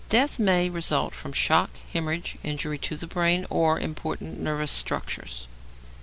Death may result from shock, hæmorrhage, injury to brain or important nervous structures.